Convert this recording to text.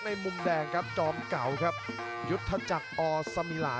ท่านบ้านรับทราบขอบคุณครอบครัฐยูตะจักรออสอมมี่ล่า